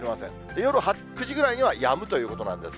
夜９時ぐらいにはやむということなんですが。